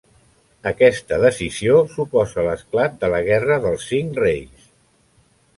Aquesta decisió suposa l'esclat de la Guerra dels Cinc Reis.